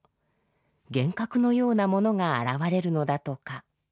幻覚のようなものが現れるのだとか。